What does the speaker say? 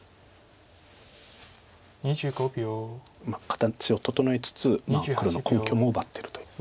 形を整えつつ黒の根拠も奪ってるという。